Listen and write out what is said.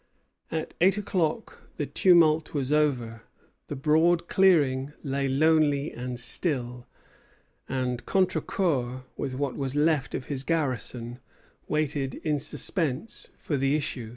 At eight o'clock the tumult was over. The broad clearing lay lonely and still, and Contrecœur, with what was left of his garrison, waited in suspense for the issue.